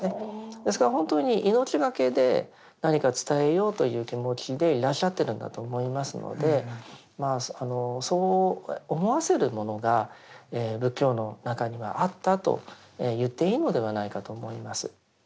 ですから本当に命懸けで何か伝えようという気持ちでいらっしゃってるんだと思いますのでそう思わせるものが仏教の中にはあったと言っていいのではないかと思います。